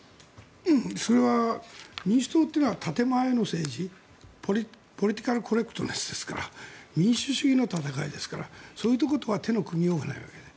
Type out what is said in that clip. それは民主党は建前の政治ポリティカルコレクトネスですから民主主義の戦いですからそういうとことは手の組みようがない。